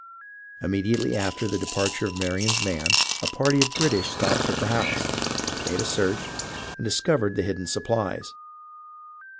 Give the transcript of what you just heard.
Immediately after the departure of Marion's man, a party of British stopped at the house, made a search, and discovered the hidden supplies.